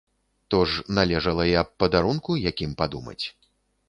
То ж належала і аб падарунку якім падумаць.